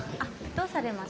どうされました？